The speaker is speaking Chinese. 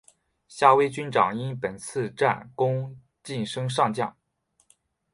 夏威军长因本次战功晋升上将。